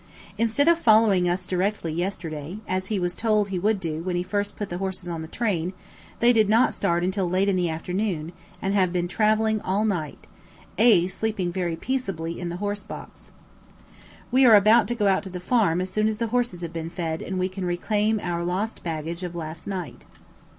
Instead of following us directly yesterday, as he was told he would do when he first put the horses on the train, they did not start until late in the afternoon, and have been travelling all night, A sleeping very peaceably in the horsebox. We are to go out to the farm as soon as the horses have been fed and we can reclaim our lost baggage of last night.